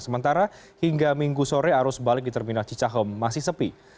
sementara hingga minggu sore arus balik di terminal cicahem masih sepi